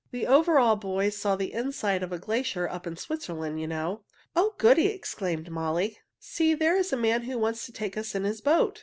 The Overall Boys saw the inside of a glacier up in Switzerland, you know." "Oh, goody!" exclaimed Molly. "See, there is a man who wants to take us in his boat.